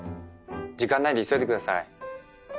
時間ないんで急いでください。